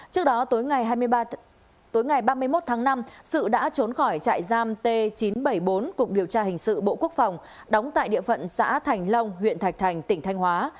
trước đó tối ngày ba mươi một tháng năm sự đã trốn khỏi trại giam t chín trăm bảy mươi bốn cục điều tra hình sự bộ quốc phòng đóng tại địa phận xã thành long huyện thạch thành tỉnh thanh hóa